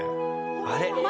あれ？